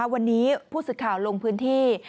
วันนี้ผู้สื่อข่าวลงพื้นที่